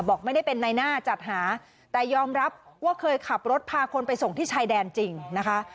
บอกไม่ได้เป็นในหน้าจัดหาแต่ยอมรับว่าเคยขับรถพาคนไปส่งที่ชายแดนจริงนะคะ